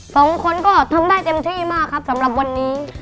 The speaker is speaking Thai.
สองคนก็ทำได้เต็มที่มากครับสำหรับวันนี้